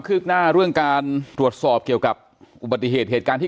ืบหน้าเรื่องการตรวจสอบเกี่ยวกับอุบัติเหตุเหตุการณ์ที่